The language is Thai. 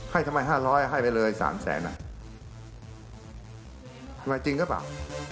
ให้ทำไม๕๐๐บาทให้ไปเลย๓๐๐๐๐๐บาทหมายจริงก็เปล่า